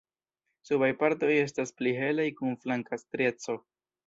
Subaj partoj estas pli helaj kun flanka strieco.